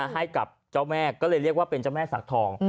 ให้กับเจ้าแม่ก็เลยเรียกว่าเป็นเจ้าแม่สักทอง